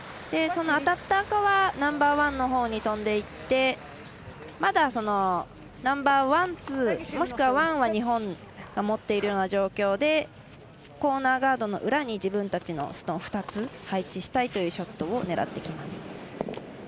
その当たった赤はナンバーワンのほうに飛んでいってまだナンバーワン、ツーもしくはワンは日本が持っているような状況でコーナーガードの裏に自分たちのストーン２つ配置したいというショットを狙っていきます。